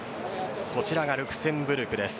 こちらがルクセンブルクです。